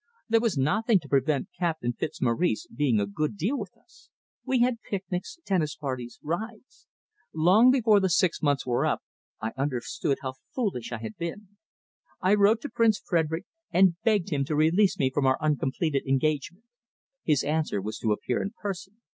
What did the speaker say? There was nothing to prevent Captain Fitzmaurice being a good deal with us. We had picnics, tennis parties, rides! Long before the six months were up I understood how foolish I had been. I wrote to Prince Frederick and begged him to release me from our uncompleted engagement. His answer was to appear in person.